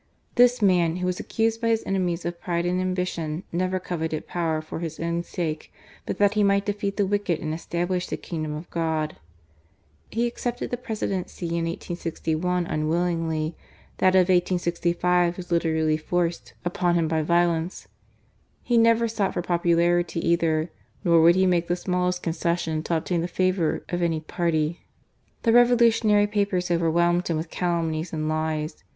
This man, who was accused by his enemies of pride and ambition, never coveted power for his own sake, but that he might defeat the wicked and establish the Kingdom of God. He accepted the Presidency in 1861 unwiUingly; that of 1865 was literally forced upon him by violence. He never sought for popularity either; nor would he make the smallest concession to obtain the favour of any party. The revolutionary papers overwhelmed him with calumnies and lies.